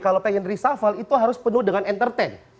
kalau ingin risafal itu harus penuh dengan entertain